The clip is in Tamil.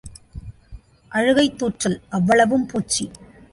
அழுகைத் தூற்றல் அவ்வளவும் பூச்சி.